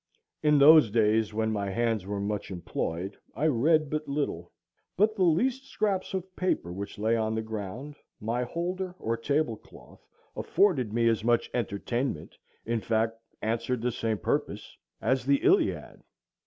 In those days, when my hands were much employed, I read but little, but the least scraps of paper which lay on the ground, my holder, or tablecloth, afforded me as much entertainment, in fact answered the same purpose as the Iliad.